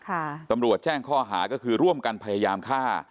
ตำรวจแจ้งข้อหาก็คือร่วมกันพยายามฆ่า